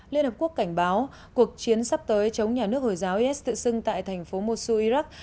liên hợp quốc cảnh báo cuộc chiến sắp tới chống nhà nước hồi giáo is tự xưng tại thành phố musu iraq